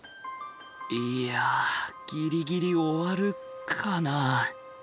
いやギリギリ終わるかな。